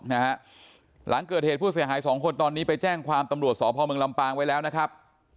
หลังเกิดเหตุผู้เสียหายสองคนตอนนี้ไปแจ้งความตำรวจสพเมืองลำปางไว้แล้วนะครับ